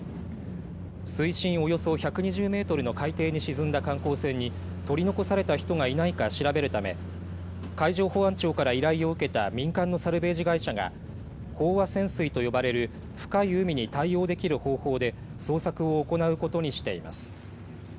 水深およそ１２０メートルの海底に沈んだ観光船に取り残された人がいないか調べるため海上保安庁から依頼を受けた民間のサルベージ会社が飽和潜水と呼ばれる深い海に対応できる方法で捜索を行うことにしています。